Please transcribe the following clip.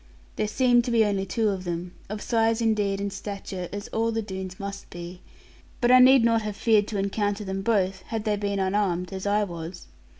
There seemed to be only two of them, of size indeed and stature as all the Doones must be, but I need not have feared to encounter them both, had they been unarmed, as I was.